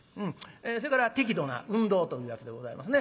それから適度な運動というやつでございますね。